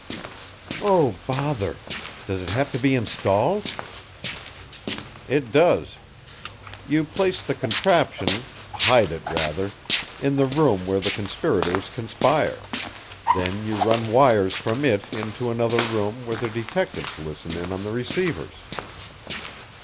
"Oh, bother! Does it have to be installed?" "It does. You place the contraption hide it, rather in the room where the conspirators conspire; then you run wires from it into another room where the detectives listen in on the receivers."